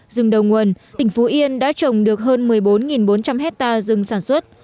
rừng đầu nguồn tỉnh phú yên đã trồng được hơn một mươi bốn bốn trăm linh hectare rừng sản xuất